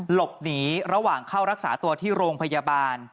หลบหนีระหว่างเข้ารักษาตัวที่โรงพยาบาล